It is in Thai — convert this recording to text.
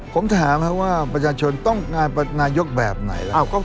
ผมถามว่าประชาชนต้องงานนายกแบบไหนล่ะ